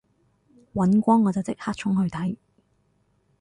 尹光我就即刻衝去睇